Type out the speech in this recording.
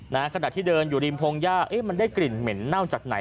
ขนาดที่เดินอยู่ริมพงศ์ย่ามันได้กลิ่นเหม็นเน่าจากไหน